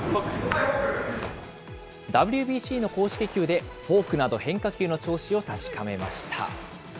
ＷＢＣの公式球でフォークなど、変化球の調子などを確かめました。